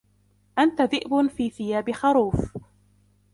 أنت ذئب في ثياب خروف.